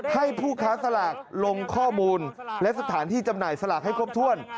ให้ผู้ค้าสลากลงข้อมูลและสถานที่จำหน่ายสลากให้ครบถ้วน